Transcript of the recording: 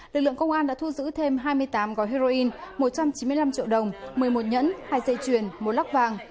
lực lượng công an đã thu giữ thêm hai mươi tám gói heroin một trăm chín mươi năm triệu đồng một mươi một nhẫn hai dây chuyền một lắc vàng